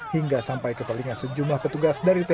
hingga sampai ke telinga sejumlah petugas dari tni